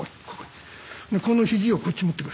でこの肘をこっち持ってくる。